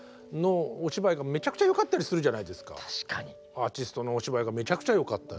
アーティストのお芝居がめちゃくちゃよかったり。